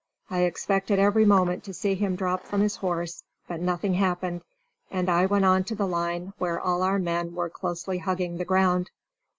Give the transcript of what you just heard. I expected every moment to see him drop from his horse, but nothing happened, and I went on to the line where all our men were closely hugging the ground.